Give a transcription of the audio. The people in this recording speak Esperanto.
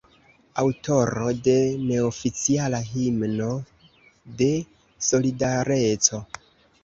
Aŭtoro de neoficiala himno de "Solidareco".